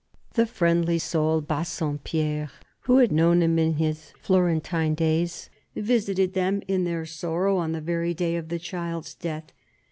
The friendly soul Bassompierre, who had known him in his Florentine days, visited them in their sorrow on the very day of the child's death.